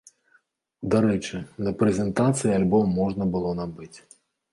Дарэчы, на прэзентацыі альбом можна было набыць.